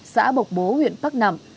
xã bộc bố huyện bắc nẵm